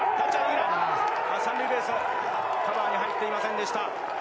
３塁ベース、カバーに入っていませんでした。